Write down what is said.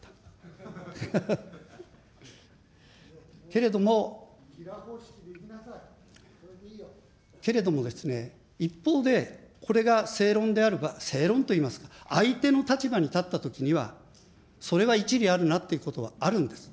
けれども、けれどもですね、一方でこれが正論であれば、正論というか、相手の立場に立ったときには、それは一理あるなということはあるんです。